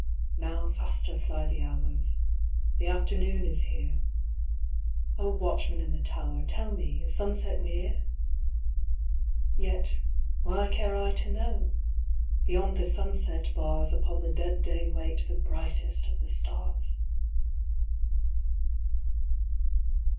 Now faster fly the hours — The afternoon is here ; O watchman in the tower, Tell me, is sunset near ? Yet — why care I to know ?— Beyond the sunset bars Upon the dead day wait The brightest of the stars